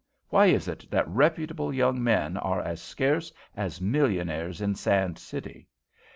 Why is it that reputable young men are as scarce as millionaires in Sand City?